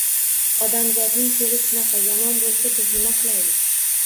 Odamzodning fe’li shunaqa yomon bo‘lsa biz nima qilaylik.